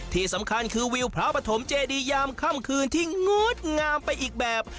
ที่สำคัญคือวิวพระปฐมเจดียามค่ำคืนที่งดงามไปอีกแบบ